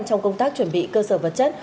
trong công tác chuẩn bị cơ sở vật chất